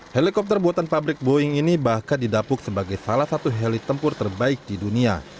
helikopter buatan pabrik boeing ini bahkan didapuk sebagai salah satu heli tempur terbaik di dunia